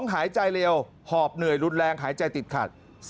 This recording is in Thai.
หายใจเร็วหอบเหนื่อยรุนแรงหายใจติดขัด